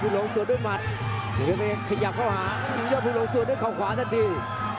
ย่อผิวหลงสวนด้วยมัดขยับเข้าหาย่อผิวหลงสวนด้วยข่าวขวาทันที